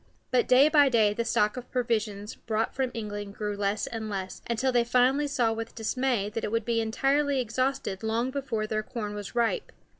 But day by day the stock of provisions brought from England grew less and less, until they finally saw with dismay that it would be entirely exhausted long before their corn was ripe.